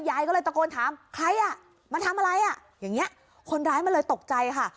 ยายก็เลยตะโกนถามใครอ่ะมาทำอะไรอ่ะอย่างเงี้ยคนร้ายมันเลยตกใจค่ะ